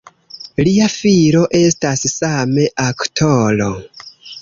Lia filo estas same aktoro.